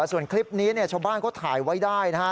ส่วนคลิปนี้ชมบ้านก็ถ่ายไว้ได้นะครับ